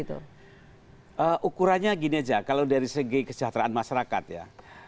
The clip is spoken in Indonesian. ukurannya gini aja kalau dari segi kesejahteraan masyarakat ya